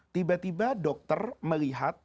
tiba tiba dokter melihat